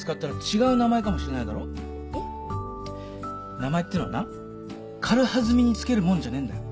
名前っていうのはな軽はずみに付けるもんじゃねえんだよ。